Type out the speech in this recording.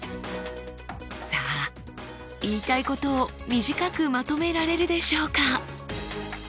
さあ言いたいことを短くまとめられるでしょうか？